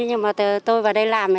nhưng mà tôi vào đây làm